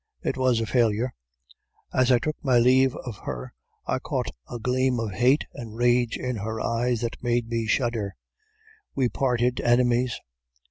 It was a failure. As I took my leave of her, I caught a gleam of hate and rage in her eyes that made me shudder. We parted enemies.